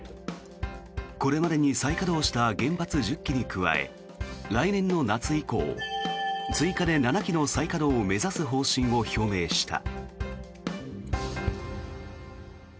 これまでに再稼働した原発１０基に加え来年の夏以降追加で７基の再稼働を目指す方針を表明した。